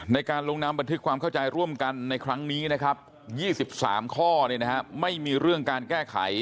ในการลงนามบันทึกความเข้าใจร่วมกันในครั้งนี้นะครับ๒๓ข้อไม่มีเรื่องการแก้ไข